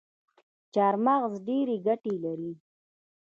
چارمغز ډیري ګټي لري